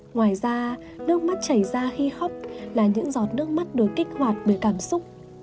ngoài ra nước mắt chảy ra khi khóc là những giọt nước mắt được kích hoạt bởi cảm xúc